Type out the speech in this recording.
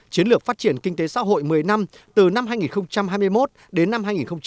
đại hội đã được phát triển kinh tế xã hội một mươi năm từ năm hai nghìn hai mươi một đến năm hai nghìn ba mươi